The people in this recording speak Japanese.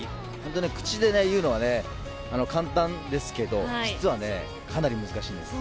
口で言うのは簡単ですけど実はね、かなり難しいんです。